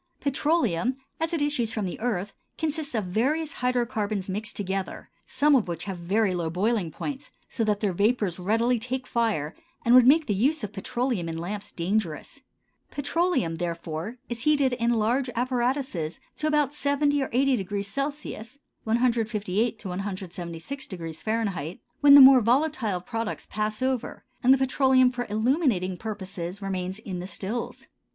Petroleum as it issues from the earth consists of various hydrocarbons mixed together, some of which have very low boiling points, so that their vapors readily take fire and would make the use of petroleum in lamps dangerous. Petroleum, therefore, is heated in large apparatuses to about 70 or 80° C. (158 to 176° F.), when the more volatile products pass over, and the petroleum for illuminating purposes remains in the stills.